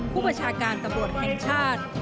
ผู้บัญชาการตำรวจแห่งชาติ